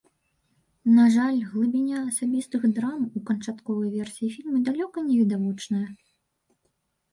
На жаль, глыбіня асабістых драм у канчатковай версіі фільма далёка не відавочная.